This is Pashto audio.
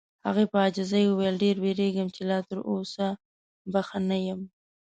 هغې په عاجزۍ وویل: ډېر وېریږم چې لا تر اوسه به ښه نه یم.